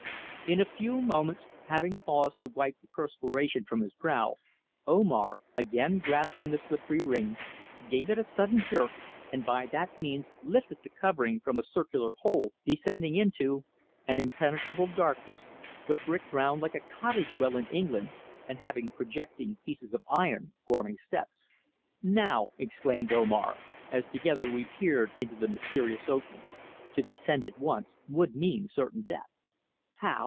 In a few moments, having paused to wipe the perspiration from his brow, Omar, again grasping the slippery ring, gave it a sudden jerk and by that means lifted the covering from a circular hole descending into an impenetrable darkness, but bricked round like a cottage well in England, and having projecting pieces of iron, forming steps. "Now," exclaimed Omar, as together we peered into the mysterious opening. "To descend at once would mean certain death." "How?